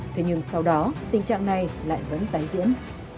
thế nhưng sau đó tình trạng này lại vẫn tái diễn